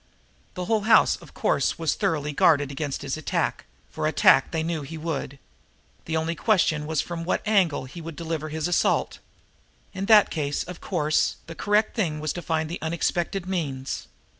The whole house, of course, was thoroughly guarded against his attack, for attack they knew he would. The only question was from what angle he would deliver his assault. In that case, of course, the correct thing was to find the unexpected means.